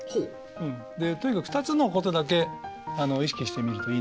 でとにかく２つのことだけ意識してみるといいなと思うんですよね。